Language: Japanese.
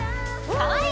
かわいい！